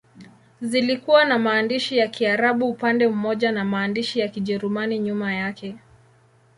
Zilikuwa na maandishi ya Kiarabu upande mmoja na maandishi ya Kijerumani nyuma yake.